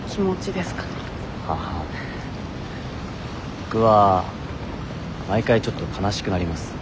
僕は毎回ちょっと悲しくなります。